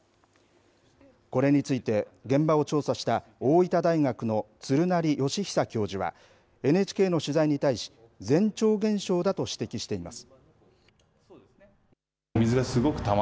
これについて、現場を調査した大分大学の鶴成悦久教授はＮＨＫの取材に対し前兆現象だと指摘しています。